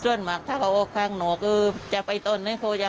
ส่วนมาข้างหน่อยคือไปต่อนให้เขากลับมา